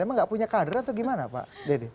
emang enggak punya kader atau gimana pak deddy